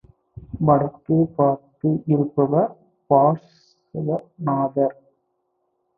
வடக்கே பார்த்து இருப்பவர் பார்ஸவ நாதர்.